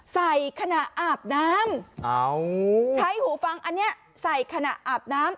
ขณะอาบน้ำใช้หูฟังอันนี้ใส่ขณะอาบน้ำ